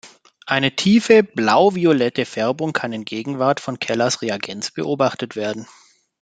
Eine tiefe blau-violette Färbung kann in Gegenwart von Kellers Reagenz beobachtet werden.